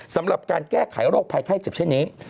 สำหรับการแก้ไขโรคภัยไข้เจ็บเช่นนี้